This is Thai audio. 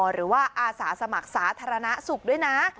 หรือว่าอาสาสมัครสาธารณสุขด้วยนะ